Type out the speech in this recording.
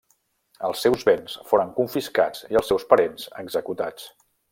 Els seus béns foren confiscats i els seus parents executats.